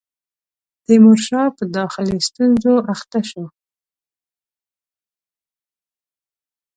تیمورشاه په داخلي ستونزو اخته شو.